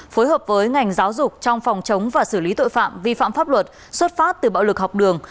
phối hợp với ngành giáo dục trong phòng chống và xử lý tội phạm vi phạm pháp luật xuất phát từ bạo lực học đường